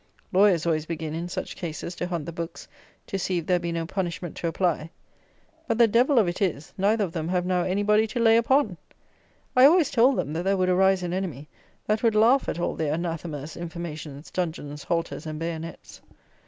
Lawyers always begin, in such cases, to hunt the books, to see if there be no punishment to apply. But the devil of it is, neither of them have now any body to lay on upon! I always told them, that there would arise an enemy, that would laugh at all their anathemas, informations, dungeons, halters and bayonets.